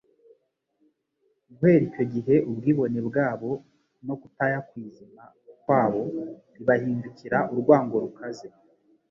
Guhera icyo gihe ubwibone bwa bo no kutaya ku izima kwa bo bibahindukira urwango rukaze